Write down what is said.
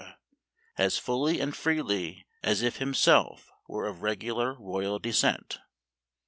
as fully and freely as if himself were of regular royal descent.